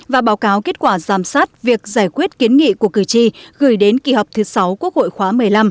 và báo cáo kết quả giám sát việc giải quyết kiến nghị của cử tri gửi đến kỳ họp thứ sáu quốc hội khóa một mươi năm